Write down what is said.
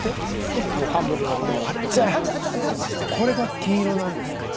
これが金色なんですね。